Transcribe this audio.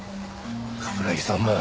冠城さんも。